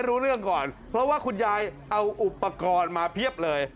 รู้เรื่องก่อนเพราะว่าคุณยายเอาอุปกรณ์มาเพียบเลย